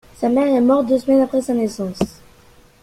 Sa mère est morte deux semaines après sa naissance.